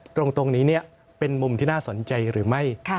ตรงนี้เป็นมุมที่น่าสนใจหรือไม่